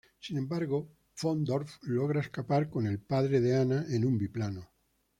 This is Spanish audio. Sin embargo, Von Dorf logra escapar con el padre de Anna en un biplano.